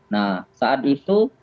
nah saat itu